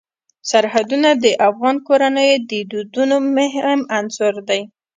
سرحدونه د افغان کورنیو د دودونو مهم عنصر دی.